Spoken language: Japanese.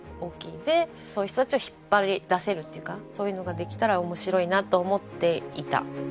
でそういう人たちを引っ張り出せるっていうかそういうのができたら面白いなと思っていた。